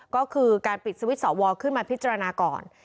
ก็คือการปิดสวิตช์สวขึ้นมาพิจารณาก่อน